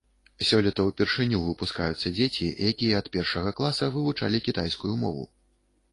Сёлета ўпершыню выпускаюцца дзеці, якія ад першага класа вывучалі кітайскую мову.